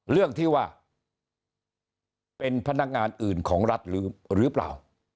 เรื่องที่ว่าเป็นพนักงานอื่นของรัฐหรือเปล่า